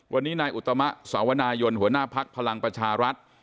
วันนี้นายอุตมะสาวนายนหัวหน้าภักดิ์พลังประชารัฐ